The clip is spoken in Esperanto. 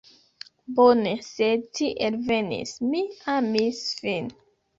Bone, sed tiel venis, mi amis vin